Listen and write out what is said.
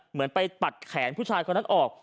เหมือนไปปัดแขนผู้ชายคนนั้นออก